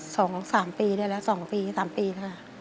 สองสามปีได้แล้วสองปีสามปีค่ะ